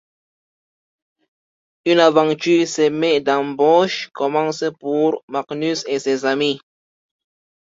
Une aventure semée d'embûches commence pour Magnus et ses amis.